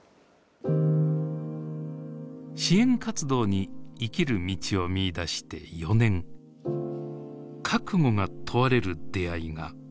支援活動に生きる道を見いだして４年覚悟が問われる出会いがありました。